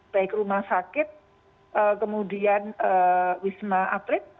baik rumah sakit kemudian wisma atlet